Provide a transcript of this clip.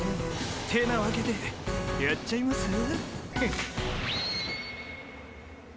てなわけでやっちゃいますぅ？